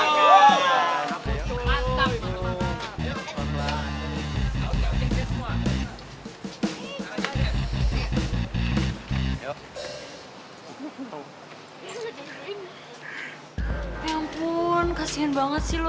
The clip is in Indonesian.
ya ampun kasihan banget sih lo ya